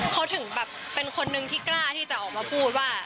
เขาถึงแบบเป็นคนนึงที่กล้าที่จะออกมาพูดว่า